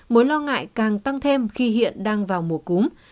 mối lo ngại càng tăng thêm khi hiện đang vào mùa cúm